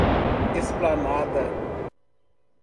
Esplanada